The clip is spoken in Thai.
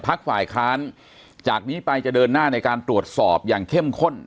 ฝ่ายค้านจากนี้ไปจะเดินหน้าในการตรวจสอบอย่างเข้มข้น